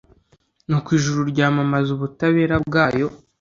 Nuko ijuru ryamamaza ubutabera bwayo